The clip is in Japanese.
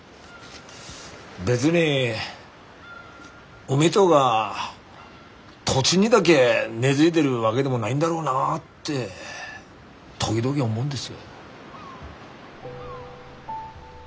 別に海とが土地にだげ根づいでるわげでもないんだろうなって時々思うんです。